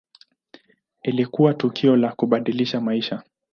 Ilikuwa tukio la kubadilisha maisha.